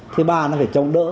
thì ba nó phải trông đỡ